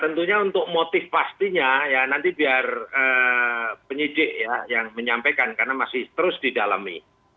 tentunya untuk motif pastinya ya nanti biar penyidik ya yang menyampaikan karena masih terus didalami